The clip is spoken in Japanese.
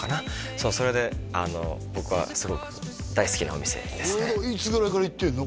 そうそれで僕はすごく大好きなお店ですねいつぐらいから行ってるの？